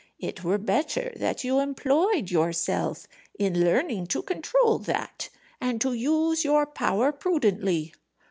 "It were better that you employed yourself in learning to control that, and to use your power prudently."